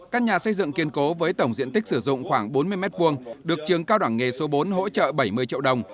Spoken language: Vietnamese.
căn nhà xây dựng kiên cố với tổng diện tích sử dụng khoảng bốn mươi m hai được trường cao đẳng nghề số bốn hỗ trợ bảy mươi triệu đồng